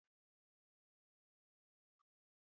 صداقت څنګه باور جوړوي؟